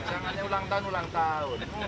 jangannya ulang tahun ulang tahun